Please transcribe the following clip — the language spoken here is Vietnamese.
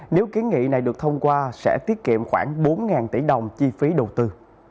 nếu kiến nghị này được thông qua sẽ tiết kiệm khoảng bốn tỷ đồng chi phí đầu tư